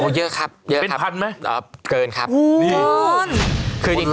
โอ้เยอะครับเยอะครับเป็นพันธุ์ไหมอ่าเกินครับโอ้คุณเรามันต้อง